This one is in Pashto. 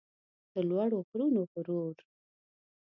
د لوړو غرونو غرور